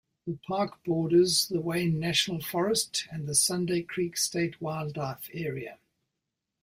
The park borders the Wayne National Forest and the Sunday Creek State Wildlife Area.